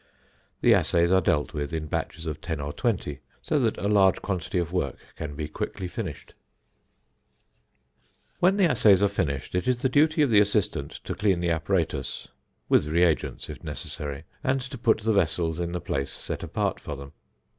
The assays are dealt with in batches of ten or twenty, so that a large quantity of work can be quickly finished. [Illustration: FIG. 11.] When the assays are finished, it is the duty of the assistant to clean the apparatus (with reagents, if necessary), and to put the vessels in the place set apart for them.